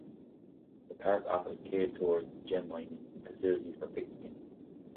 The park offers cave tours, gem mining, and facilities for picnicking.